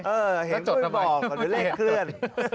เออเห็นไม่บอกมันเป็นเลขเคลื่อน